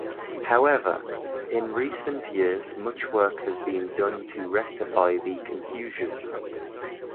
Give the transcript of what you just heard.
However, in recent years much work has been done to rectify the confusion.